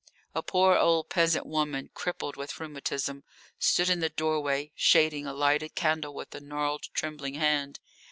A poor old peasant woman, crippled with rheumatism, stood in the doorway shading a lighted candle with a gnarled, trembling hand.